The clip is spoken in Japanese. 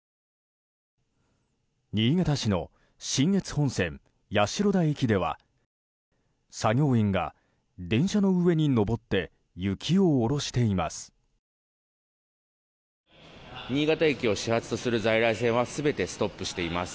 新潟市の信越本線矢代田駅では作業員が電車の上に上って雪を下ろしをしています。